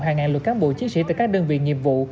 hàng ngàn lực cán bộ chiến sĩ từ các đơn vị nhiệm vụ